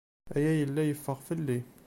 Aya yella yeffeɣ fell-i.